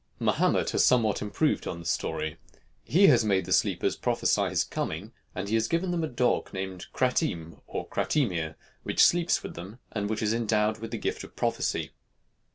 Mahomet has somewhat improved on the story. He has made the Sleepers prophesy his coming, and he has given them a dog named Kratim, or Kratimir, which sleeps with them, and which is endowed with the gift of prophecy.